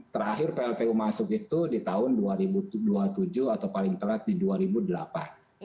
terakhir pltu masuk itu di tahun dua ribu dua puluh tujuh atau paling telat di dua ribu delapan